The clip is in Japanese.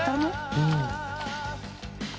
うん。